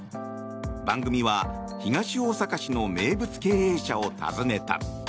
番組は東大阪市の名物経営者を訪ねた。